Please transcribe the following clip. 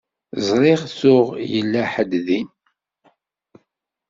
Ẓriɣ tuɣ yella ḥedd din.